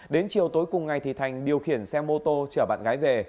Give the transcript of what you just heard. đến chiều tối cùng ngày thành điều khiển xe mô tô trở bạn gái về